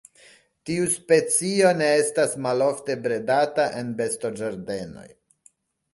Tiu specio ne estas malofte bredata en bestoĝardenoj.